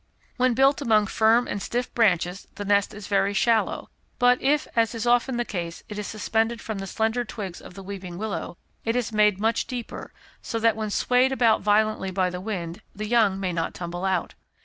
When built among firm and stiff branches the nest is very shallow, but if, as is often the case, it is suspended from the slender twigs of the weeping willow, it is made much deeper, so that when swayed about violently by the wind the young may not tumble out.